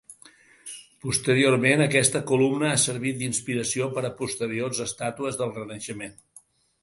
Posteriorment aquesta columna ha servit d'inspiració per a posteriors estàtues del Renaixement.